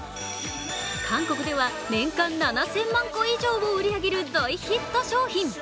韓国では年間７０００万個以上を売り上げる大ヒット商品。